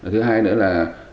thứ hai nữa là